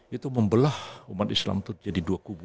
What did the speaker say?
itu membelah umat islam itu jadi dua kubu